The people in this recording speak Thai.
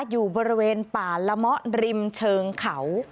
อยู่บริเวณป่าละเมาะริมเชิงเขา